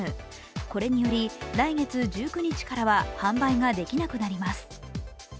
これにより来月１９日からは販売ができなくなります。